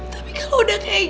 tapi kalau udah kayak